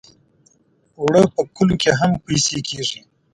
اوړه په کلو کې هم پېسې کېږي